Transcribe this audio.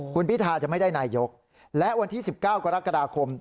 คุณพิทาจะไม่ได้นายกและวันที่๑๙กรกฎาคม